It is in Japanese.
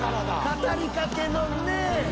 語りかけの「ねぇ」。